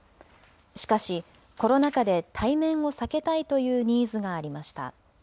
しかし、コロナ禍で対面を避けたいというニーズがありました。